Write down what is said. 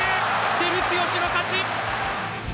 照強の勝ち！